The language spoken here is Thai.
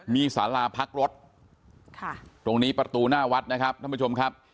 มีสาราพักรถตรงนี้ประตูหน้าวัดนะครับท่านผู้ชมครับ